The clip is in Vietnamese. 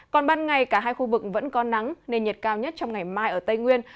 còn ban ngày cả hai khu vực vẫn có nắng nên nhiệt cao nhất trong ngày mai ở tây nguyên